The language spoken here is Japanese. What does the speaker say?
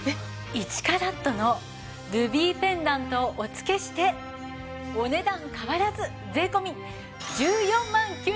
１カラットのルビーペンダントをお付けしてお値段変わらず税込１４万９８００円です。